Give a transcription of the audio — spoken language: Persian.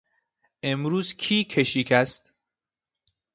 امروز کی کشیک است؟